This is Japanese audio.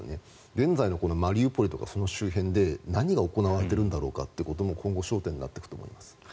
現在のマリウポリとかその周辺で何が行われているんだろうかっていうことも今後、焦点になっていくと思います。